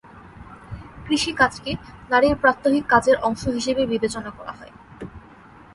কৃষিকাজকে নারীর প্রাত্যহিক কাজের অংশ হিসেবে বিবেচনা করা হয়।